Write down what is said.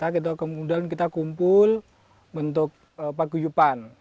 kita kemudian kita kumpul bentuk paguyuban